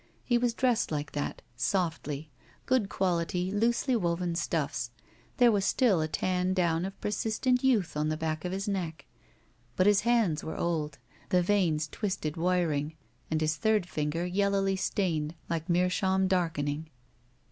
He was dressed like that. Softly. Good quality loosely woven stuffs. There was still a tan down of persistent youth on the back of his neck. But his hands were old, the veins twisted wiring, and his third finger yellowly stained, like meerschaum darkening.